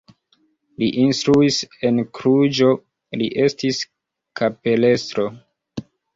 Li instruis en Kluĵo, li estis kapelestro.